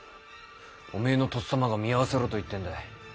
おめえのとっさまが見合わせろと言ってんだい。